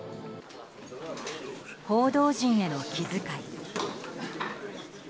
報道陣への気遣い。